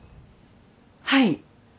はい